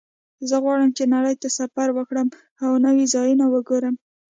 زه غواړم چې نړۍ ته سفر وکړم او نوي ځایونه وګورم